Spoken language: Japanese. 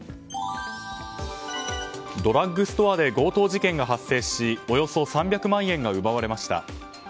ドラッグストアで強盗事件が発生しおよそ３００万円が奪われました。